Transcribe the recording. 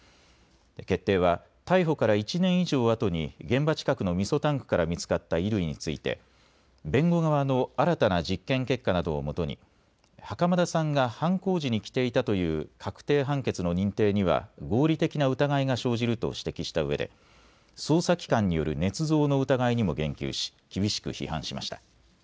決定は逮捕から１年以上あとに現場近くのみそタンクから見つかった衣類について弁護側の新たな実験結果などをもとに袴田さんが犯行時に着ていたという確定判決の認定には合理的な疑いが生じると指摘したうえで捜査機関によるねつ造の疑いにも言及し厳しく批判しました。